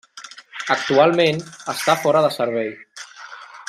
Actualment està fora de servei.